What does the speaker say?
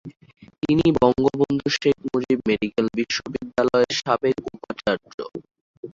তিনি বঙ্গবন্ধু শেখ মুজিব মেডিকেল বিশ্ববিদ্যালয়ের সাবেক উপাচার্য।